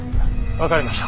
わかりました。